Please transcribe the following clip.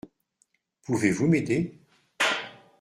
Pouvez-vous m’aider ?